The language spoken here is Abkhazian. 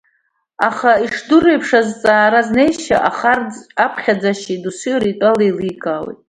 Аха, ишдыру еиԥш, азҵаара азнеишьеи ахарџь аԥхьаӡашьеи доусы иара итәала еиликаауеит.